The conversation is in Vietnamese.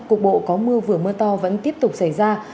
cục bộ có mưa vừa mưa to vẫn tiếp tục xảy ra